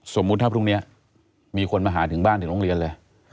สมมุติถ้าพรุ่งนี้มีคนมาหาถึงบ้านถึงโรงเรียนเลย